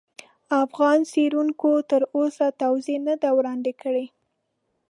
افغان څېړونکو تر اوسه توضیح نه دي وړاندې کړي.